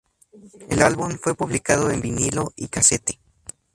El álbum fue publicado en vinilo y casete.